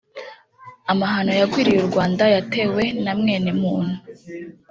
-Amahano yagwiriye u Rwanda yatewe na mwenemuntu